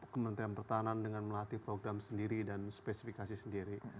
kementerian pertahanan dengan melatih program sendiri dan spesifikasi sendiri